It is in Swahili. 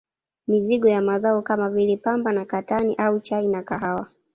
Mizigo ya Mazao kama vile Pamba na katani au chai na kahawa